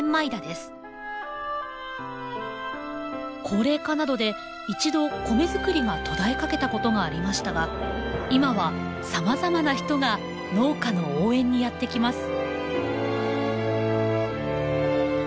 高齢化などで一度米作りが途絶えかけたことがありましたが今はさまざまな人が農家の応援にやって来ます。